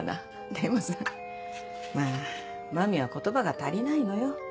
でもさまぁ麻美は言葉が足りないのよ。